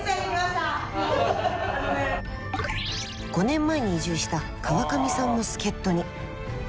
５年前に移住した川上さんも助っ人に！